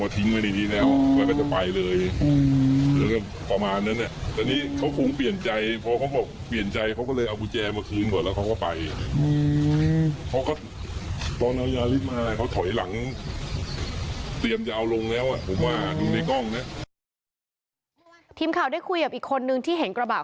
ทีมข่าวได้คุยกับอีกคนนึงที่เห็นกระบะ